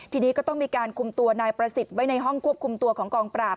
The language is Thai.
ทีนี้ก็ต้องมีการคุมตัวนายประสิทธิ์ไว้ในห้องควบคุมตัวของกองปราบ